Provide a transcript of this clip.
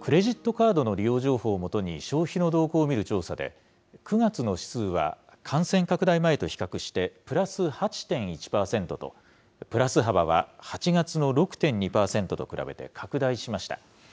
クレジットカードの利用情報を基に、消費の動向を見る調査で、９月の指数は、感染拡大前と比較して、プラス８．１％と、プラス幅は８月の６．２％と比べて拡大しました。